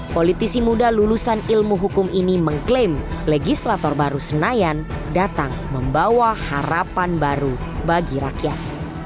politisi muda lulusan ilmu hukum ini mengklaim legislator baru senayan datang membawa harapan baru bagi rakyat